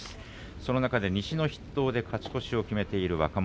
その中で西の筆頭勝ち越しを決めている若元